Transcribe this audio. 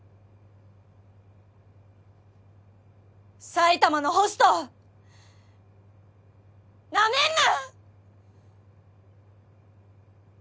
埼玉のホストなめんな！